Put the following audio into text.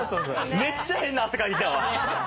めっちゃ変な汗かいてきたわ。